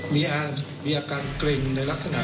มีอาการเกร็งในลักษณะ